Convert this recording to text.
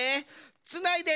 「つないで！